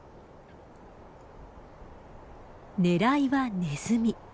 狙いはネズミ。